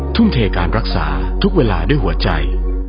ทุ่มเทการรักษาทุกเวลาด้วยหัวใจ